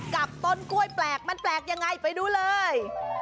กับต้นกล้วยแปลกมันแปลกยังไงไปดูเลย